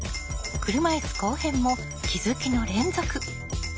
車いす後編も気づきの連続。